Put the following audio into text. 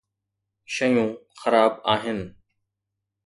شيون خراب آهن.